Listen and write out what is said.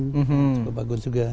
cukup bagus juga